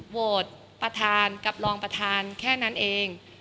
โหวตประธานกับรองประธานแค่นั้นเอง